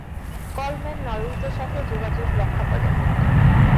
Coleman নরউইচের সাথে যোগাযোগ রক্ষা করে।